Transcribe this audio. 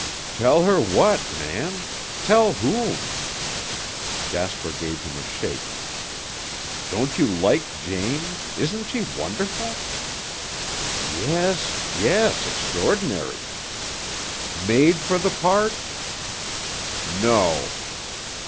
"Tell her what, man? Tell whom?" Jasper gave him a shake. "Don't you like Jane? Isn't she wonderful?" "Yes, yes, extraordinary!" "Made for the part?" "No."